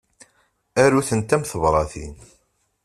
Aru-tent am tebratin.